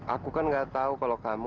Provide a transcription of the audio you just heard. aku kan gak tahu kalau kamu